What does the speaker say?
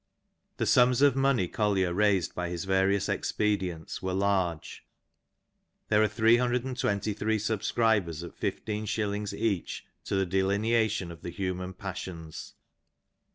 The sums of money Collier raised by his various expedients were large. There are 323 subscribers at fifteen shillings each to the Delineation of the Human Paeeions.